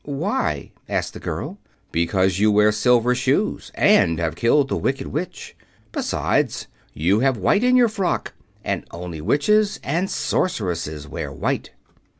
"Why?" asked the girl. "Because you wear silver shoes and have killed the Wicked Witch. Besides, you have white in your frock, and only witches and sorceresses wear white."